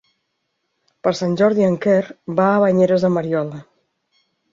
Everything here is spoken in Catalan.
Per Sant Jordi en Quer va a Banyeres de Mariola.